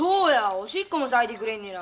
おしっこもさいてくれんねら。